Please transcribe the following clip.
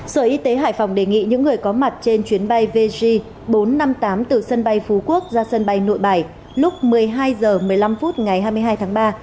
sở y tế hải phòng đề nghị những người có mặt trên chuyến bay vj bốn trăm năm mươi tám từ sân bay phú quốc ra sân bay nội bài lúc một mươi hai h một mươi năm phút ngày hai mươi hai tháng ba